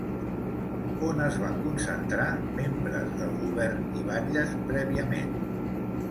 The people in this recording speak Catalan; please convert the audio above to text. On es van concentrar membres del govern i batlles prèviament?